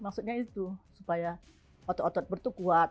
maksudnya itu supaya otot otot perut tuh kuat